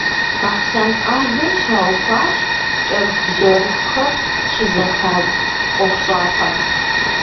Бахъсэн къалэм щаухуащ кӏэрыхубжьэрыхухэр щызэхадз ӏуэхущӏапӏэр.